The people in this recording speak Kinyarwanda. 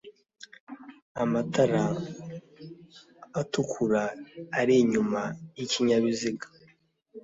Amatara atukura ari inyuma y'ikinyabiziga